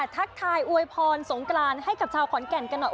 ทักทายอวยพรสงกรานให้กับชาวขอนแก่นกันหน่อย